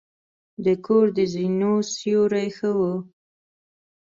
د کور د زینو سیوري ښه وه.